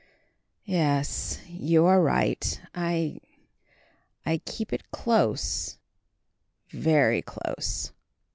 "Yes, you are right. I—I—keep it close—very close."